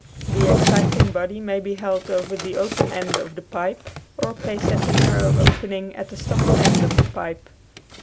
The exciting body may be held over the open end of the pipe or placed at a narrow opening at the stopped end of the pipe.